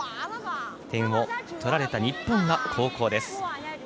点を取られた日本が後攻です。